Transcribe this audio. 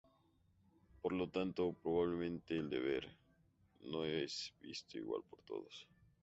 Por lo tanto, probablemente el deber, no es visto igual por todos.